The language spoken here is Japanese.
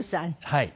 はい。